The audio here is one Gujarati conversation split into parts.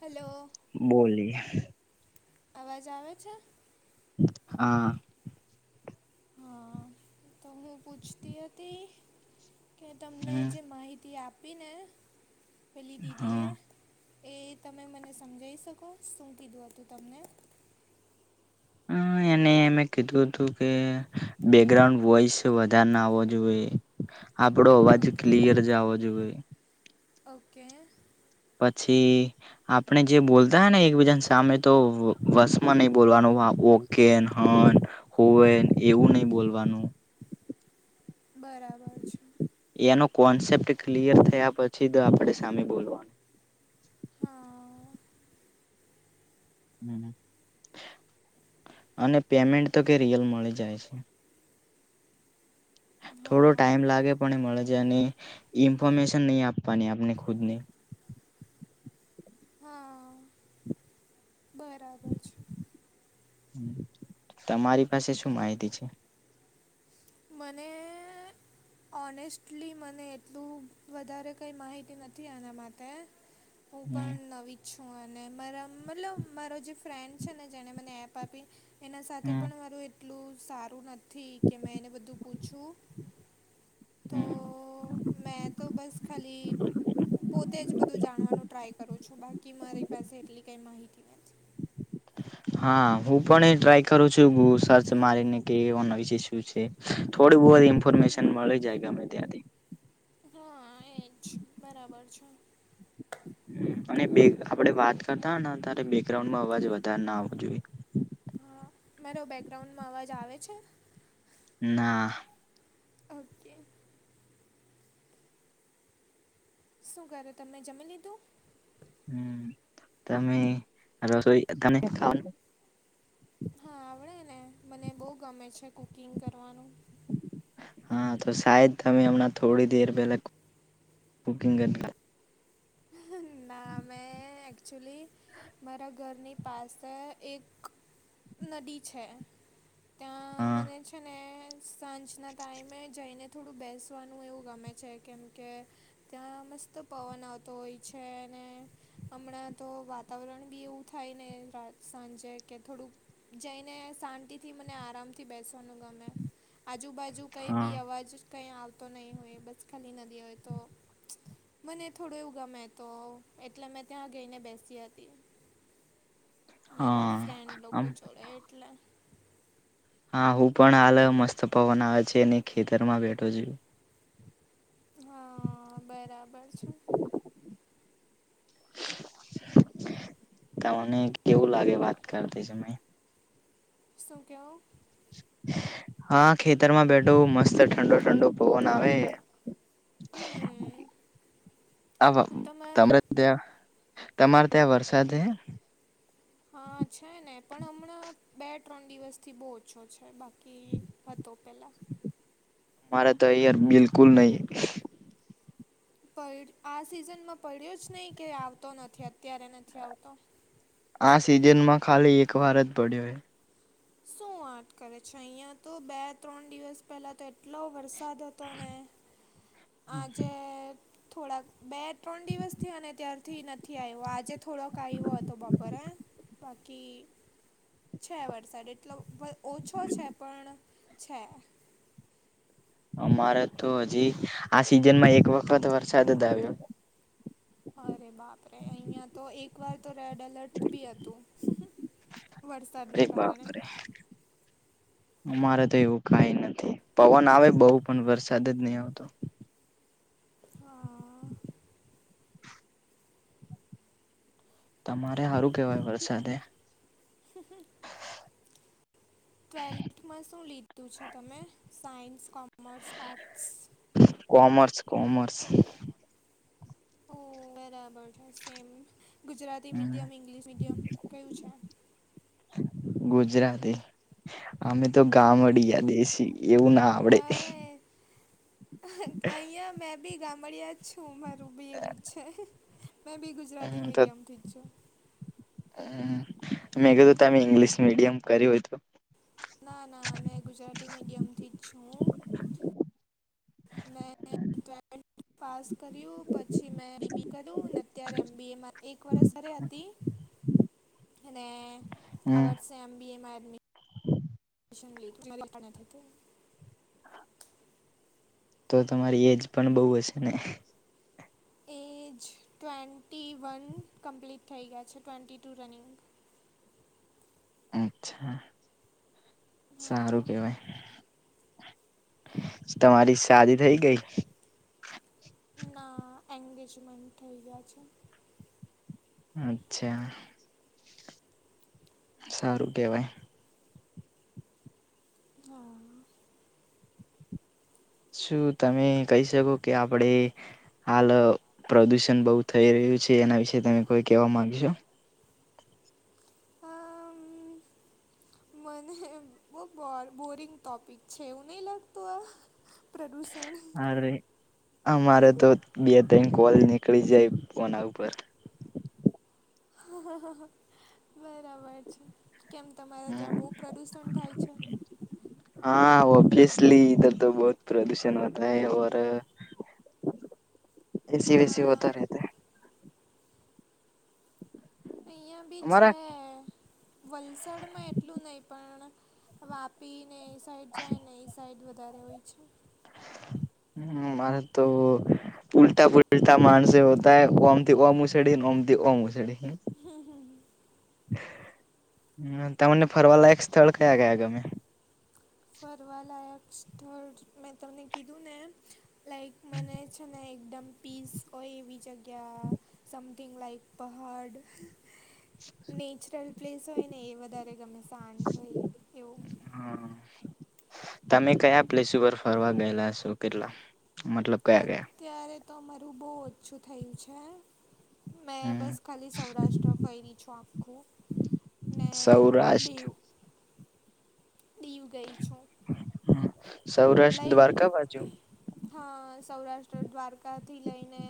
હલો. બોલી અવાજ આવે છે? હા. હા. તમને પૂછતી હતી કે તમને જે માહિતી આપી ને પેલી દીદીએ હા એ તમે મને સમજાઈ શકો? શું કીધું હતું તમને? હા એને મે કીધું તું કે બેકગ્રાઉન્ડ વોઈસ વધારે ના આવો જોઈએ. આપડો અવાજ ઓકે ક્લિયર જ આવો જોવે. ઓકે. પછી, આપણે જે બોલતા હોય ને એકબીજા સામે તો વસમાં નહી બોલવાનું વાંકુ, [unintelligible] કેન, હન, હોવેન, એવું નહી બોલવાનું. બરાબર છે. એનો કોન્સેપ્ટ ક્લિયર પછી જ આપડે, સામે બોલવાનું. હા અને પેમેન્ટ તો કે રિયલ મળી જાય છે. થોડો હા ટાઈમ લાગે પણ એ મળે જ અને ઈન્ફોર્મેશન નહી, આપવાની આપને ખુદ ને, હા બરાબર છે. તમારી પાસે શું માહિતી છે. મને, ઓનેસ્ટલી મને એટલું વધારે કંઈ માહિતી આના માટે, [inaudible] હું પણ નવી, છું. અને મારા મતલબ મારો જે ફ્રેન્ડ છે. ને જેને મને એપ આપી, એના સાથે પણ મારું એટલું સારું નથી. કે મેં એને બધું, પૂછું. તો મે તો બસ ખલી, પોતે જ બધું જાણવાનું ટ્રાય કરો છો, બાકી મારી પાસે એટલી કઈ માહિતી નથી. હા હું પણ એ ટ્રાય કરું છું ગુ સર્ચ મારીને [unintelligible] શું છે? થોડી બહુ જ ઇન્ફોર્મેશન મળી જાય ગમે ત્યાંથી, હં, એજ બરાબર છે. અને [unintelligible] આપડે વાત કરતા હોને ત્યારે બેકગ્રાઉન્ડમાં અવાજ વધારે ના આવવો જોઈએ, હા મારો બેકગ્રાઉન્ડમાં, અવાજ આવે છે? ના ઓકે, શું કરે તમે જમી લીધું? હમ તમે રસોઈ તમે [unintelligible] હા, આવડે ને, મને બહુ ગમે છે. કુકિંગ કરવાનું, હા તો શાયદ તમે હમણા થોડી દેર પહેલા, કુકિંગ, [unintelligible] [inaudible] નામે એકક્ચુલી, મારા ઘરની પાસે એક નદી છે. ત્યાં હા મને છે ને, સાંજના ટાઈમે જઈને થોડું બેસવાનું એવું ગમે છે. કેમ કે, ત્યાં મસ્ત પવન આવતો હોય છે. અને, હમણાં તો વાતાવરણ બી એવું થાય ને રાત સાંજે કે થોડુંક, જઈને શાંતિ થી મને આરામથી, બેસવાનું ગમે આજુબાજુ કઈ હા બી આવાજ, કઈ આવતો નહી હોય બસ ખાલી નદી હોય તો મને થોડું એવું, ગમે તો એટલે મેં ત્યાં ગઈને બેસી હતી, મારા હા ફ્રેન્ડ આમ લોકો જોડે એટલે, હા હું પણ હાલ મસ્ત પવન આવે છે. અને ખેતર માં બેઠો છું. હા બરાબર છે. [inaudible] તમને કેવું લાગે વાત કરતા સમય, સુ કયો. હા, ખેતરમાં બેઠો. મસ્ત ઠંડો, ઠંડો, પવન આવે. હમ [inaudible] આવા તમે ત્યાં તમારે ત્યાં વરસાદ છે. હા છે ને પણ હમણાં બે ત્રણ દિવસ થી બહુ ઓછો છે બાકી. કે હતો પહેલાં. મારે તો અહીંયા બિલકુલ નહી, પણ આ સિઝનમાં પડ્યો જ નહીં કે, આવતો નથી અત્યારે નથી આવતો. આ સિઝન માં ખાલી એક વાર જ પડ્યો. શું વાત કરે છે. અહીયા તો બે ત્રણ દિવસ પહેલા તો એટલો વરસાદ હતો ને. આ જેે. થોડાક બે ત્રણ દિવસથી. અને ત્યારથી નથી આવ્યો. આજે થોડોક આવ્યો હતો બપોરે. બાકી છે વરસાદ એટલો ભ ઓછો છે, પણ છે. અમારે તો હજી, આ સિઝનમાં એક વખત વરસાદ જ આવ્યો. અરે બાપ રે અહિયાં તો એક વાર તો રેડ એલર્ટ બી હતું. [unintelligible] અરે વરસાદના બાપ કારણે રે. અમારે તો એવું કઈ નથી પવન આવે બહુ પણ વરસાદ જ નહી આવતો. હા. તમારે સારું કહેવાય વરસાદે. [inaudible] ટ્વેલ્થમાં શું લીધું છે? તમે, science, commerce, arts. Commerce. Commerce. ઓ બરાબર સેમ. ગુજરાતી હમ મીડિયમ. ઈંગ્લિશ મીડિયમ કયું છે? ગુજરાતી. અમે તો ઓકે ગામડિયા દેશી એવું ના આવડે. અરે અહીંયા મેં બી ગામડિયા જ છું. મારું બી એવું જ છે મેં બી ગુ ગુજરાતી મીડિયમ થી જ છું. હ મેં કીધું, તમે ઇંગ્લિશ મિડિયમ કર્યું હોય તો! ના. ના મેં ગુજરાતી મીડિયમથી જ છું. મેં ટ્વેલ્થ પાસ કર્યું પછી મેં બી બી એ. કરું અત્યારે એમ બી એ. એક વરસ ઘરે હતી અને. આ હમ વર્ષે એમ બી એ મા, એડમિ [unintelligible] તો તમારી એજ પણ બહુ હશે ને? એજ ટ્વેન્ટી વન કમ્પ્લીટ થઈ ગયા છે. ટ્વેન્ટી ટુ રનિંગ અચ્છા સારું હા કેવાય. તમારી શાદી થઇ ગઈ. ના એન્ગેજમેન્ટ થઈ ગયા છે. અચ્છા. સારું કેવાય. હા. શું તમે કહી શકો કે આપણે. હાલ પ્રદુષણ બહુ થઈ રહ્યું છે. એના વિશે તમે કોઈ કહેવા માંગ સો. આમ, મને બહુ બો બોરિંગ ટોપીક છે એવો નહી લાગતું આ. પ્રદૂષણ અરે અમારે તો બે ત્રણ કોલ નીકળી જાય, ફોના ઉપર બરાબર છે, કેમ તમારા ત્યાં બહુ પ્રદૂષણ થાય છે? હા ઓબ્વિસલી, ઇધર તો બહુત પ્રદૂષણ હોતા હૈ, ઓર એસી વેસી હા હોતા રહેતા હે. અહીંયા બી છે, હમારા વલસાડમાં એટલું નઈ, પણ વાપી ને એ સાઈડ જાય ને એ સાઈડ વધારે હોય છે. હમ્મ, મારે તો ઉલટા પુલ્ટા માનસે હોતાહે, ઓમથી ઓ મુછડી ઓમતી ઓ મુછડી હમ્મ હમ્મ હમ્મ તમને ફરવાલાયક સ્થળ કયા કયા ગમે? ફરવાલાાયક સ્થળ, મેં તમને કીધું ને લાઈક મને છે ને એકદમ પીસ હોય એવી જગ્યા સમથિંગ લાઇક પહાડ નેચરલ પ્લેસ હોયને એ વધારે ગમે, શાંત હોય એવું. હમ્મ, તમે કયા પ્લેસ ઉપર ફરવા ગયેલા છો કેટલા? મતલબ કયા કયા? ત્યારે તો અમારું બોવ ઓછું થયુ છે. મેં હમ બસ ખાલી સૌરાષ્ટ્ર ફયરી છું આખું, ને દિવ. સૌરાષ્ટ્ર દિવ ગઈ છું, સૌરાષ્ટ્ર લાઈક દ્વારકા બાજુ હા, સૌરાષ્ટ્ર દ્વારકા થી લઈને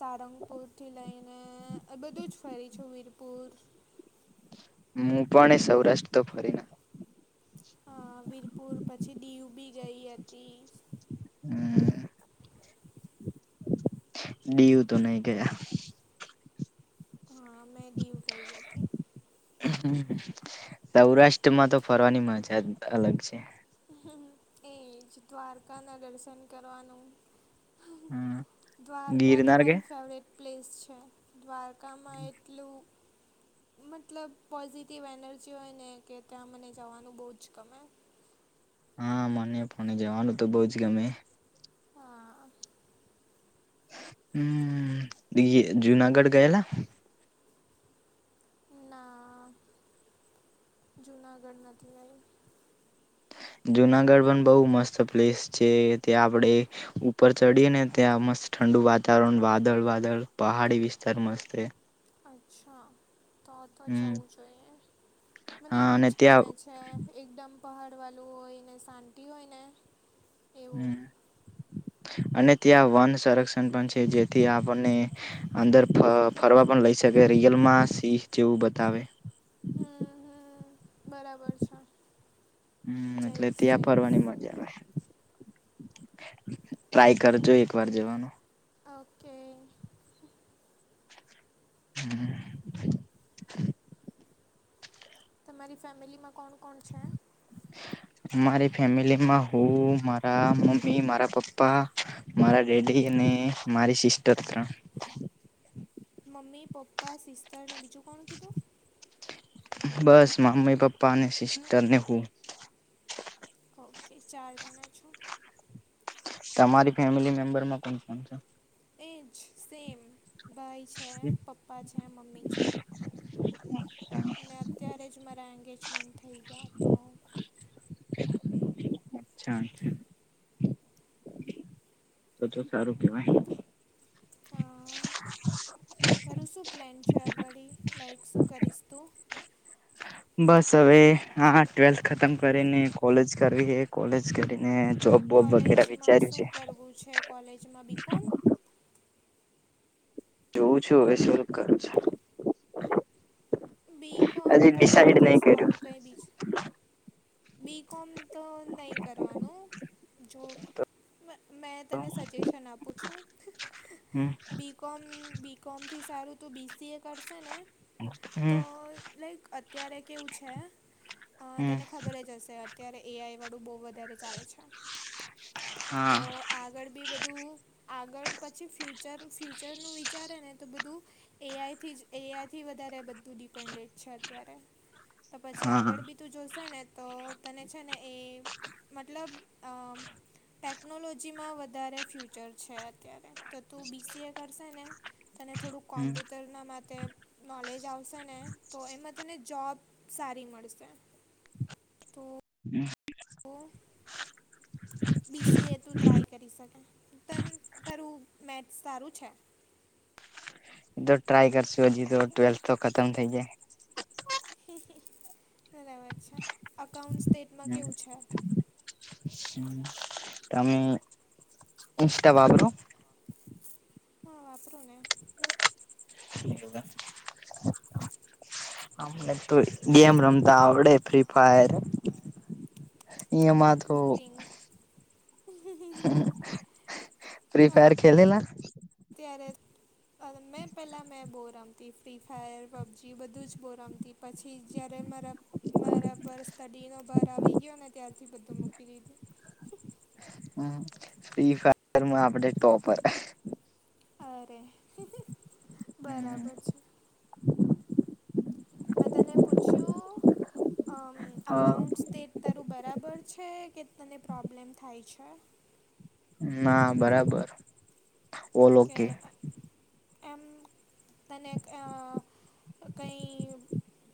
સારંગપુરથી લઈને, બધું જ ફરી છું વીરપુર હું પણ એ સૌરાષ્ટ્ર તો ફરીને હા, વીરપુર, પછી દીવ બી ગઈ હતી. હમ્મ દીવ તો નઈ ગયા. હા મેં દીવ ગઈ હતી. [inaudible] સૌરાષ્ટ્રમાં તો ફરવાની મજા જ અલગ છે. એજ, દ્વારકા ના દર્શન કરવાનું. હા દ્વારકા તો ગિરનાર મારી ગયા ફેવરેટ પ્લેસ છે, દ્વારકામાં એટલું મતલબ પોઝિટિવ એનર્જી હોય ને, કે ત્યાં મને જવાનું બહુ જ ગમે. હા, મને પણ એ જવાનું તો બહુંજ ગમે. હા હમ્મ, બીજે જૂનાગઢ ગએલા? ના, જુનાગઢ નથી આઈ. જુનાગઢ પણ બહુ મસ્ત પ્લેસ છે, ત્યાં આપણેે ઉપર ચડીએ ને ત્યાં મસ્ત ઠંડુ વાતાવરણ, વાદળ વાદળ પહાડી વિસ્તાર મસ્ત છે. અચ્છા, તો તો હમ જવું જોઈએ, મને હા એવું અને જ ગમે ત્યાં છે. એકદમ પહાડવાળું હોયને, શાંતિ હોયને. હમ્મ, અને ત્યાં વન સંરક્ષણ પણ છે, જેથી આપણને અંદર ફ ફરવા પણ લઈ શકે, રિયલમાં સિહ જેવું બતાવે. હમ્મ હમ્મ, બરાબર છે. હમ્મ, એટલે જઈશ ત્યાં જઈશ ફરવાની મજા આવે. ટ્રાય કરજો એક વાર જવાનું્ ઓકે. હમ્મ [inaudible] તમારી ફેમિલીમાં કોણ કોણ છે? મારી ફેમિલીમાં હું મારા મમ્મી મારા પપ્પા મારા ડેડી ને મારી સિસ્ટર ત્રણ. મમ્મી પપ્પા સિસ્ટરને બીજું કોણ કીધું? બસ મમ્મી પપ્પા અને સિસ્ટરને હું. ઓકે ચાર જણા છો. તમારી ફેમિલી મેમ્બરમાં તેજ સેમ ભાઈ છે પપ્પા છે મમ્મી છે. [inaudible] ને અત્યારે જ મારા એંગેજમેન્ટ થઈ ગયા તો [unintelligible] તો તો સારું કેવાય. હ તારું શું પ્લેન છે અગાળી લાઈક શું કરીશ તું? બસ હવે હા ટ્વેલ્થ ખતમ કરીને કોલેજ કરવી કોલેજ કરીને જોબ બોબ વગેરા કોલેજમાં વિચાર્યું શું છે કરવું છે કોલેજમાં બીકોમ જોઉં છું હવે [unintelligible] બી કોમ હજી ડિસાઈડ કરવાથી નહી કર્યું સારું કંઈ બીજુ બી કોમ તો નહી કરવાનું જો મેં મેં તને સજેશન આપું છું હમ [unintelligible] બી કોમ બી કોમથી સારું તો બીસીએ કરશેને તો હમ લાઈક અત્યારે કેવું છે અ હમ તેને [unintelligible] અત્યારે એઆઈ વાળું બોહુ વધારે ચાલે છે હા અ આગળ ભી બધું આગળ પછી ફ્યુચર ફ્યુચરનું વિચારે નેતો બધું. એઆઈથી જ એઆઈથી વધારે બધું ડિપેન્ડેટ છે અત્યારે. તો પછી હા આગળ ભી તું જો શે ને? તો તને છે ને એ મતલબ અ ટેકનોલોજીમાં વધારે ફ્યુચર છે અત્યારે. તો તું બીસીએ કરશે ને તને થોડુંક હમ હમ કોમ્પ્યુટર એના માટે નોલેજ આવશે ને તો એમાં તને જોબ સારી મળશે. તો [inaudible] [inaudible] ઓ. બીસીએ તું ટ્રાય કરી શકે તન તારું મેક્સ સારું છે? એતો ટ્રાય કરશું હજી તો ટવેલ્થ તો ખતમ થઇ જાય. [unintelligible] બરાબર છે અકાઉન્ટ સ્ટેટમાં કેવું છે? [inaudible] ઇન્સ્ટા વાપરો? હ વાપરુ ને. [unintelligible] અમને તો ગેમ રમતા આવડે ફ્રી ફાયર એમાં તો બોરિંગ [unintelligible] ફ્રી ફાયર ખેલેલા. અત્યારે, મેં પહેલાં મેં બોરમતી ફ્રી ફાયર પબજી બધું જ બોરમતી,, પછી જ્યારે મારા, મારા પર સ્ટડી નો ભાર આવી ગયોને ત્યારથી બધું મૂકી દીધું., હ ફ્રી ફાયર માં આપડે ટોપર, અરે બરાબર છે, અ એકાઉન્ટ્સ તે તારું બરાબર છે, કે તને પ્રોબ્લેમ થાય છે., ના બરાબર ઓલ કે ઓકે, એમ તને એક હ હ, કંઈ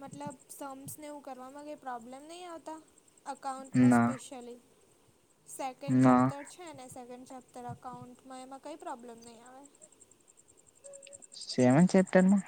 મતલબ સમ્સને એવું કરવામાં કંઈ પ્રોબ્લેમ નહીં આવતા,, અકાઉન્ટમાં ના સ્પેશિયલી સેકન્ડ ના ચેપ્ટર હે ને સેકન્ડ ચેપ્ટર અકાઉન્ટમાં એમાં કંઈ પ્રોબ્લેમ નહીં આવે., સેવન ચેપ્ટર માં?